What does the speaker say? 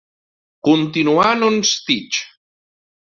Continuant on Stitch!